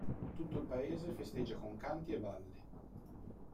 Tutto il paese festeggia con canti e balli...